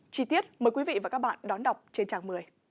chi tiết mời quý vị và các bạn đón đọc trên trang một mươi